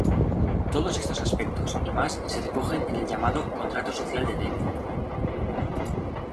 Todos estos aspectos y más se recogen en el llamado Contrato Social de Debian.